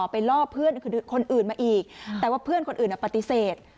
ล่อเพื่อนคนอื่นมาอีกแต่ว่าเพื่อนคนอื่นปฏิเสธ